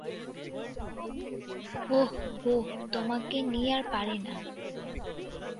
অহ, বোহ, তোমাকে নিয়ে আর পাড়ি না।